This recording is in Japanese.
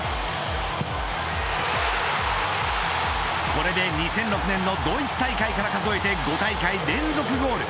これで２００６年のドイツ大会から数えて５大会連続ゴール。